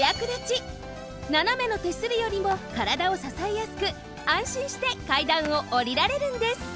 ななめの手すりよりもからだをささえやすくあんしんしてかいだんをおりられるんです！